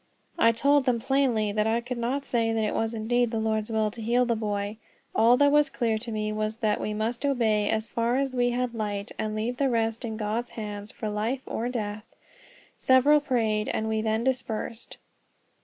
I told them plainly that I could not say that it was indeed the Lord's will to heal the boy; all that was clear to me was that we must obey as far as we had light, and leave the rest in God's hands for life or death. Several prayed, and we then dispersed.